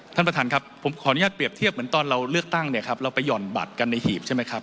ท่านประธานครับผมขออนุญาตเปรียบเทียบเหมือนตอนเราเลือกตั้งเนี่ยครับเราไปห่อนบัตรกันในหีบใช่ไหมครับ